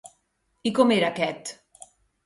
I com era aquest?